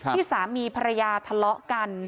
ที่สามีภรรยาทะเลาะกัน